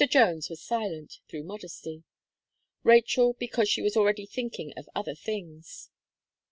Jones was silent, through modesty; Rachel, because she was already thinking of other things.